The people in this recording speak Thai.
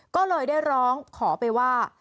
ก็เลยได้ร้องขอไปว่า